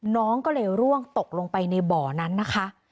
น้องก็เลยร่วงตกลงไปในบ่อนั้นนะคะ